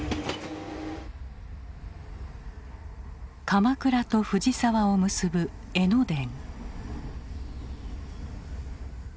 鎌倉と藤沢を結ぶ江ノ電。